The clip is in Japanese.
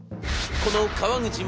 この川口勝